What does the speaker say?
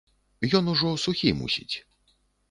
Ён ужо сухі, мусіць.